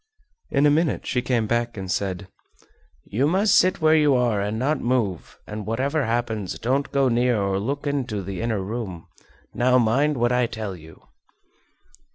In a minute she came back and said: "You must sit where you are and not move, and whatever happens don't go near or look into the inner room. Now mind what I tell you!"